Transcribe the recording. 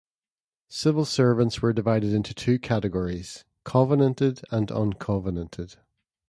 Civil servants were divided into two categories - covenanted and uncovenanted.